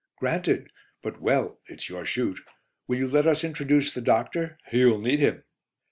'" "Granted, but well! it's your shoot. Will you let us introduce the doctor? You'll need him."